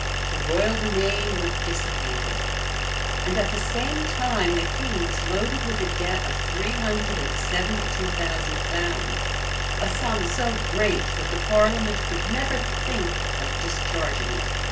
609. The royal demesnes were dissipated; and at the same time the king was loaded with a debt of three hundred and seventy two thousand pounds, a sum so great, that the parliament could never think of discharging it.